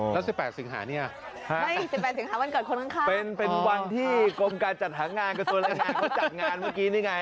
แล้ว๑๘สิงหาเนี่ยไม่๑๘สิงหาวันเกิดคนข้างเป็นเป็นวันที่กรมการจัดหางานกระทรวงแรงงานเขาจัดงานเมื่อกี้นี่ไง